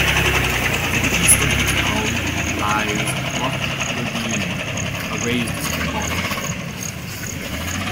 To the east of the town lies Loch Lurgeen, a raised bog.